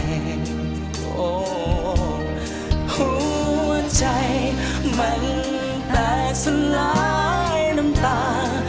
หัวใจมันแปลกสลายน้ำตา